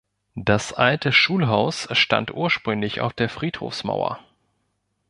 Das alte Schulhaus stand ursprünglich auf der Friedhofsmauer.